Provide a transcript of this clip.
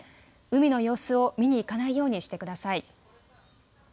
海の様子を見に行かないようにしてください。